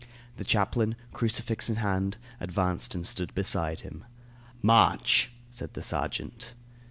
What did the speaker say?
The chaplain, crucifix in hand, advanced and stood beside him. "March," said the sergeant.